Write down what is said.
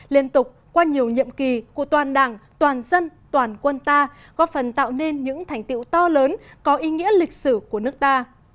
liên tục qua nhiều nhiệm kỳ của toàn đảng toàn dân toàn quân ta góp phần tạo nên những thành tiệu to lớn có ý nghĩa lịch sử của nước ta